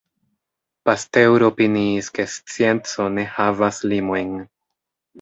Pasteur opiniis ke scienco ne havas limojn.